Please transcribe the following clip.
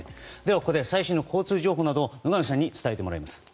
ここで最新の交通情報などを野上さんに伝えてもらいます。